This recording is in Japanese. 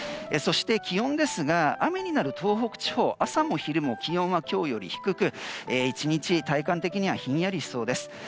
そして気温ですが雨になる東北地方朝も昼も気温は今日より低く１日、体感的にはひんやりしそうです。